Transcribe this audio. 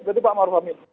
kita tidak mau menghargai